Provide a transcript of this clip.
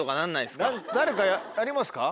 誰かやりますか？